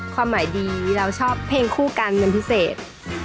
ความหมายดีเราชอบเพลงคู่กันเป็นพิเศษ